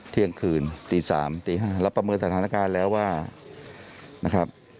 เที่ยงคืนตี๓ตี๕เราประเมินสถานการณ์แล้วว่านะครับ